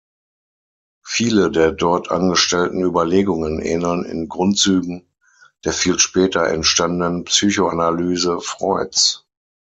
Viele der dort angestellten Überlegungen ähneln in Grundzügen der viel später entstandenen Psychoanalyse Freuds.